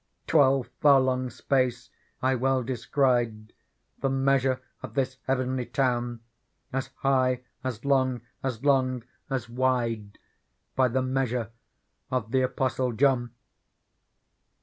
Twelve furlong space I well descried The measure of this heavenly town ; As high as long, as long as wide. By the measure of the Apostle John.